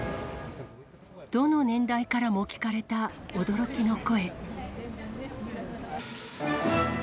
どの年代からも聞かれた驚きの声。